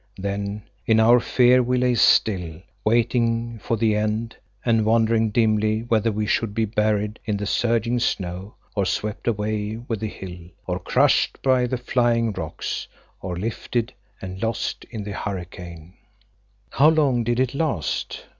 Then in our fear we lay still, waiting for the end, and wondering dimly whether we should be buried in the surging snow or swept away with the hill, or crushed by the flying rocks, or lifted and lost in the hurricane. How long did it last?